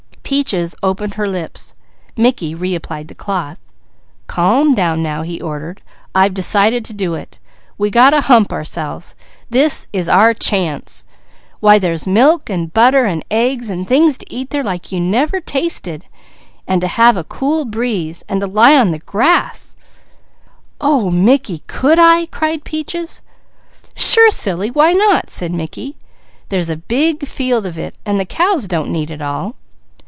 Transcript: Peaches opened her lips, Mickey reapplied the cloth. "Calm down now!" he ordered. "I've decided to do it. We got to hump ourselves. This is our chance. Why there's milk, and butter, and eggs, and things to eat there like you never tasted, and to have a cool breeze, and to lie on the grass " "Oh Mickey, could I?" cried Peaches. "Sure silly! Why not?" said Mickey. "There's big fields of it, and the cows don't need it all.